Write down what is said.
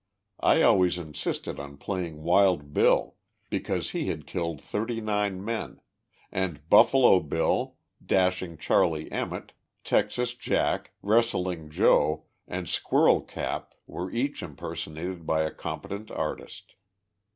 I always insisted on playing Wild Bill, because he had killed thirty nine men, and Buffalo Bill, Dashing Charlie Emmett, Texas Jack, Wrestling Joe and Squir rell Cap were each impersonated by a competant artist.